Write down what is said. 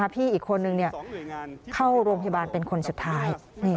พี่อีกคนนึงเข้าโรงพยาบาลเป็นคนสุดท้าย